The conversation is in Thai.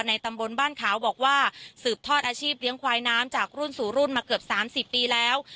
ตำบลบ้านขาวบอกว่าสืบทอดอาชีพเลี้ยงควายน้ำจากรุ่นสู่รุ่นมาเกือบ๓๐ปีแล้ว